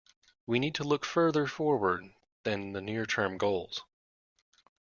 We need to look further forward than the near-term goals